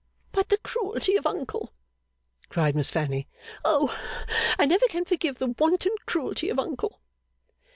'But the cruelty of Uncle!' cried Miss Fanny. 'O, I never can forgive the wanton cruelty of Uncle!